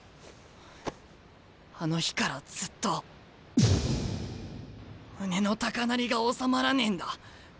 あの日からずっと胸の高鳴りが収まらねえんだ。